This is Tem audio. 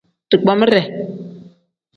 Digbeemire.